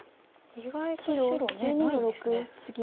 意外と白眼ないんですね。